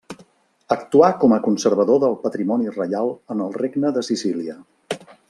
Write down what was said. Actuà com a conservador del patrimoni reial en el regne de Sicília.